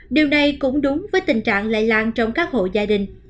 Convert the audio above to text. điều này cũng đúng với tình trạng lây lan trong các hộ gia đình